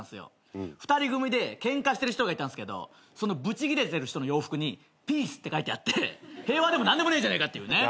２人組でケンカしてる人がいたんすけどそのぶちギレてる人の洋服に「ピース」って書いてあって平和でも何でもねえじゃねえかっていうね。